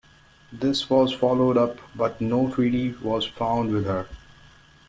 This was followed up, but no treaty was found with her.